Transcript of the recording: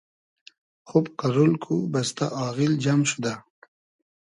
خوب قئرول کو، بئستۂ آغیل جئم شودۂ